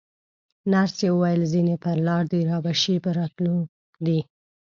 نرسې وویل: ځینې پر لاره دي، رابه شي، په راتلو دي.